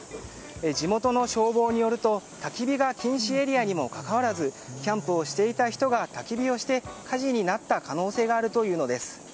地元の消防によると、たき火が禁止エリアにもかかわらずキャンプをしていた人がたき火をして火事になった可能性があるというのです。